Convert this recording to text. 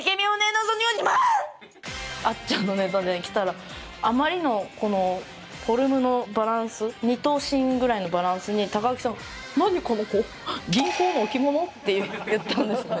あっちゃんのネタで来たらあまりのこのフォルムのバランス２頭身ぐらいのバランスに貴明さんが「何？この子銀行の置き物？」って言ったんですね。